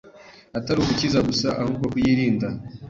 atari ugukiza gusa, ahubwo kuyirinda